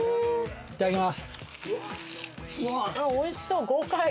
いただきます。